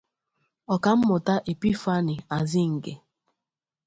Ọkammụta Epiphany Azinge